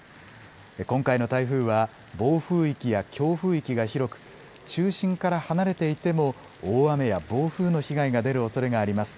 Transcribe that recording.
今回の台風は暴風域や強風域が広く中心から離れていても大雨や暴風の被害が出るおそれがあります。